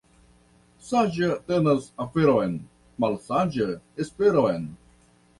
Saĝa tenas aferon, malsaĝa esperon.